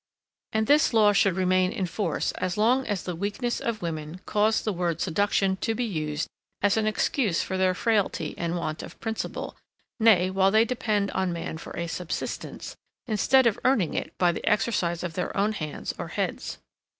And this law should remain in force as long as the weakness of women caused the word seduction to be used as an excuse for their frailty and want of principle; nay, while they depend on man for a subsistence, instead of earning it by the exercise of their own hands or heads.